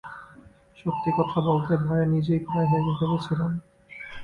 সত্যি কথা বলতে, ভয়ে নিজেই প্রায় হেগে ফেলছিলাম।